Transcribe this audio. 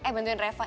eh bantuin reva